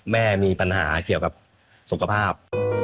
แม่มีปัญหาเกี่ยวกับสุขภาพ